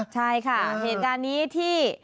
ใช่ค่ะเหตุการณ์นี้ที่